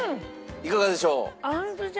いかがでしょう？